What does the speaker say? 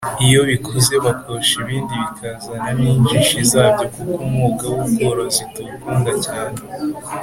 iyo bikuze bakosha ibindi bikazana n’injishi zabyo kuko umwuga w’ubworozi tuwukunda cyane